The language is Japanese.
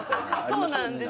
そうなんです。